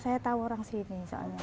saya tahu orang sini soalnya